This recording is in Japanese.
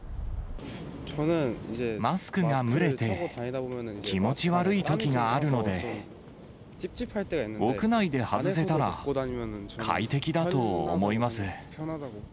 マスクが蒸れて気持ち悪いときがあるので、屋内で外せたら快適だと思います。